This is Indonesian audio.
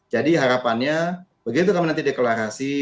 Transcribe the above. jadi harapannya begitu kamu nanti deklarasi